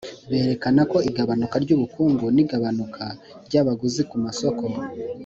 byerekana ko igabanuka ry'ubukungu n'igabanuka ry'abaguzi ku masoko